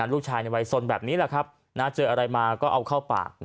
ลูกชายในวัยสนแบบนี้แหละครับเจออะไรมาก็เอาเข้าปาก